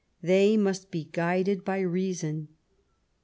They must be guided by reason.